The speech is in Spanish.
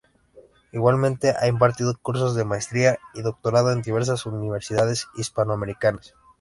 Igualmente ha impartido cursos de Maestría y Doctorado en diversas universidades hispanoamericanas.